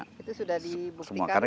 itu sudah dibuktikan